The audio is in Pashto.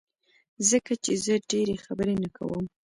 ځکه چي زه ډيری خبری نه کوم